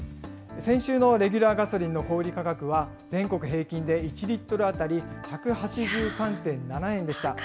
先週のレギュラーガソリンの小売り価格は、全国平均で１リットル当たり１８３．７円でした。